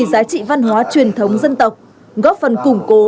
giá trị văn hóa truyền thống dân tộc góp phần củng cố